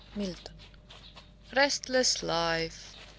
"–MILTON. "RESTLESS life!